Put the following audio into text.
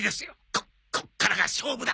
ここっからが勝負だ！